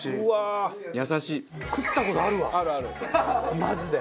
マジで。